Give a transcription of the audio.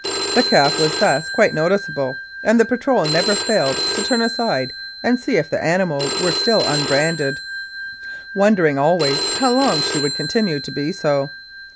The calf was thus quite noticeable, and the patrol never failed to turn aside and see if the animal were still un branded, wondering always how long she would con tinue to be so.